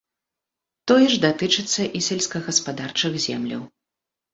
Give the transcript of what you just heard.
Тое ж датычыцца і сельскагаспадарчых земляў.